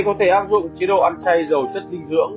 có thể áp dụng chế độ ăn chay dầu chất dinh dưỡng